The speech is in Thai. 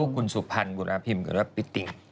คุณสุภัณฑ์คุณราพิมพ์ก็ด้วยว่าปิติง